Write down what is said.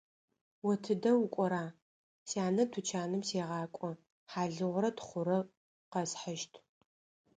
О тыдэ укӀора? – Сянэ тучаным сегъакӀо; хьалыгъурэ тхъурэ къэсхьыщт.